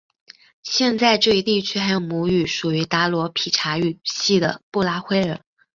现在这一地区还有母语属于达罗毗荼语系的布拉灰人。